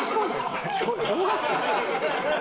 小学生か！